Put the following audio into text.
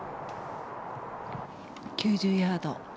９０ヤード。